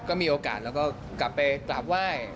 ก็มีโอกาสเราก็กลับไปกลับไหว้